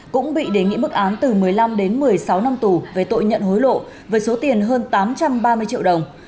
cũng bị đề nghị mức án từ một mươi năm đến một mươi sáu năm tù về tội nhận hối lộ với số tiền hơn tám trăm ba mươi triệu đồng